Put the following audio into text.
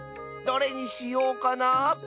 どれにしようかな？